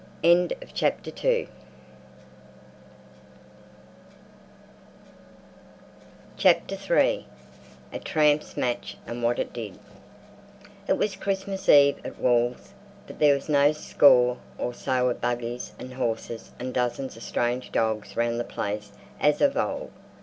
III.—A TRAMP'S MATCH AND WHAT IT DID It was Christmas Eve at Wall's, but there was no score or so of buggies and horses and dozens of strange dogs round the place as of old.